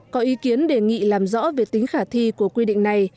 có ý kiến đề nghị làm rõ về tính khả thi của quy định này